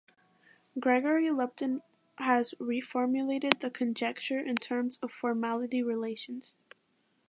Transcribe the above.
Gregory Lupton has reformulated the conjecture in terms of formality relations.